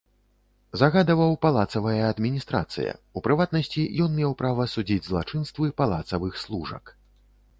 Загадваў палацавая адміністрацыя, у прыватнасці, ён меў права судзіць злачынствы палацавых служак.